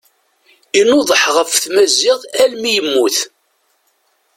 Inuḍeḥ ɣef tmaziɣt almi yemmut.